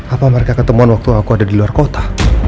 apa mereka ketemuan waktu aku ada di luar kota